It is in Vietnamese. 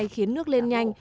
khiến nước lên nhanh